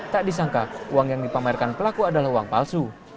tak disangka uang yang dipamerkan pelaku adalah uang palsu